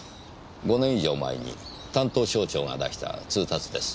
５年以上前に担当省庁が出した通達です。